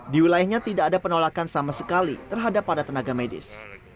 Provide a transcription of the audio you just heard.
di wilayahnya tidak ada penolakan sama sekali terhadap para tenaga medis